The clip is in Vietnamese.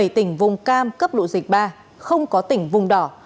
bảy tỉnh vùng cam cấp độ dịch ba không có tỉnh vùng đỏ